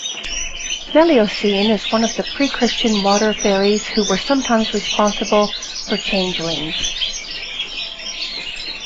Melusine is one of the pre-Christian water-faeries who were sometimes responsible for changelings.